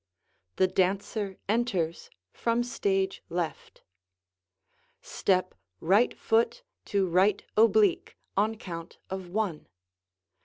The dancer enters from stage left. Step right foot to right oblique on count of "one."